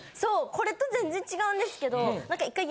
これと全然違うんですけど。